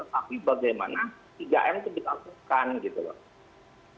tetapi bagaimana tiga m itu ditentukan gitu loh